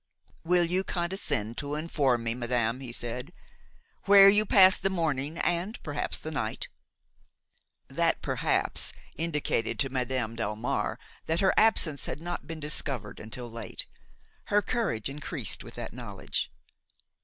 "Will you condescend to inform me, madame," he said, "where you passed the morning and perhaps the night?" That perhaps indicated to Madame Delmare that her absence had not been discovered until late. Her courage increased with that knowledge.